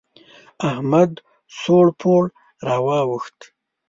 احمد سوړ پوړ را واوښت.